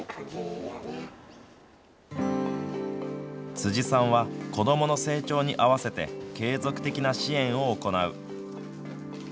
辻さんは子どもの成長に合わせて継続的な支援を行う。